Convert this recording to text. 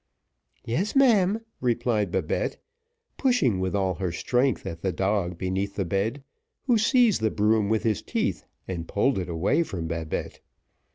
"Yes, ma'am," replied Babette, pushing with all her strength at the dog beneath the bed, who seized the broom with his teeth, and pulled it away from Babette.